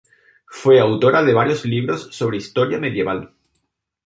Fue autora de varios libros sobre historia medieval.